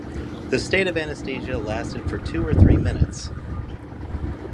The state of anesthesia lasted for two or three minutes.